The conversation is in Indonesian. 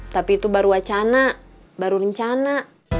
tapi itu baru wacana baru rencana